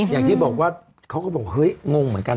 อย่างที่บอกว่าเขาก็บอกเฮ้ยงงเหมือนกัน